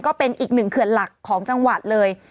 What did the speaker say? ก็เป็นอีกหนึ่งเขื่อนหลักของจังหวัดเลย